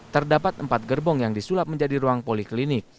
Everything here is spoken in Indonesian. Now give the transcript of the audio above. terdapat empat gerbong yang disulap menjadi ruang poliklinik